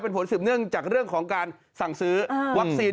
เป็นผลสืบเนื่องจากเรื่องของการสั่งซื้อวัคซีน